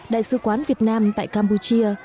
đại sứ quán việt nam tại campuchia